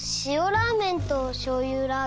ラーメンとしょうゆラーメン